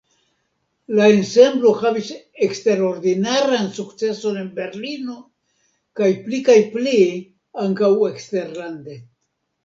La ensemblo havis eksterordinaran sukceson en Berlino, kaj pli kaj pli ankaŭ eksterlande.